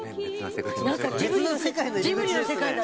ジブリの世界だね。